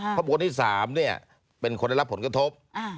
เพราะบุคคลที่๓เป็นคนได้รับผลกระทบ